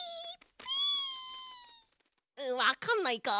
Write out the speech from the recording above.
ピ？わかんないか。